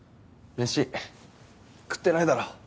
めし食ってないだろ。